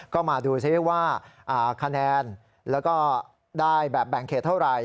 ก็มาดูซิว่าคะแนนแล้วก็ได้แบบแบ่งเขตเท่าไหร่